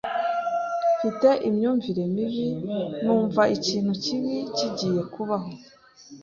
Mfite imyumvire mibi numva ikintu kibi kigiye kubaho.